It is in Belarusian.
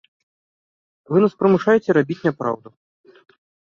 Вы нас прымушаеце рабіць няпраўду.